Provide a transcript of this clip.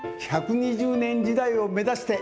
１２０年時代を目指して。